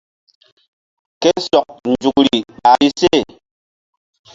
Ke sɔk nzukri ɓahri se.